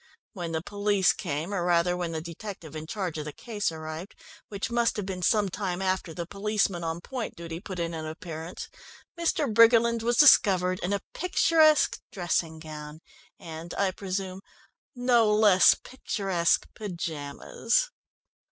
When the police came, or rather, when the detective in charge of the case arrived, which must have been some time after the policeman on point duty put in an appearance, Mr. Briggerland was discovered in a picturesque dressing gown and, I presume, no less picturesque pyjamas."